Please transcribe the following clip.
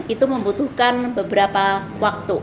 itu membutuhkan beberapa waktu